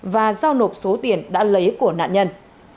và giao nộp số tiền đã lấy của nạn nhân